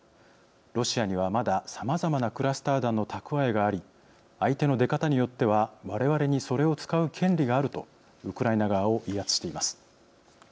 ロシアには、まださまざまなクラスター弾の蓄えがあり相手の出方によっては我々にそれを使う権利があるとウクライナ側を威圧しています。